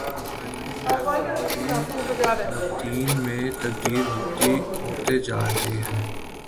کل کے خیر خواہ بھی ناقدین میں تبدیل ہوتے جارہے ہیں۔